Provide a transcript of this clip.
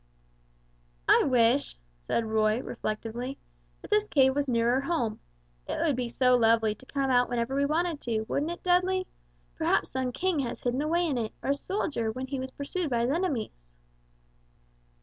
"] "I wish," said Roy, reflectively, "that this cave was nearer home; it would be so lovely to come out whenever we wanted to, wouldn't it, Dudley? Perhaps some king has hidden away in it, or soldier when he was pursued by his enemies!"